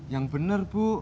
yang benar bu